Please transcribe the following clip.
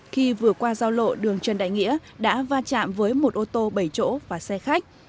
khi vừa qua giao lộ đường trần đại nghĩa đã va chạm với một ô tô bảy chỗ và xe khách